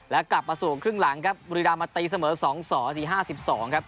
และกลับมาสู่ครึ่งหลังครับบุรีรามมาตีเสมอ๒๒นาที๕๒ครับ